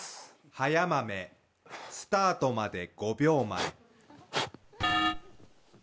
速豆スタートまで５秒前。